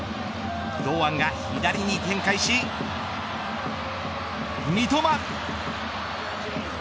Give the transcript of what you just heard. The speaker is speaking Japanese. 堂安が左に展開し三笘。